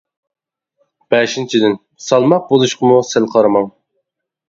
بەشىنچىدىن، سالماق بولۇشقىمۇ سەل قارىماڭ.